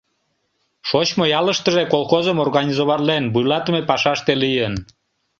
Шочмо ялыштыже колхозым организоватлен, вуйлатыме пашаште лийын.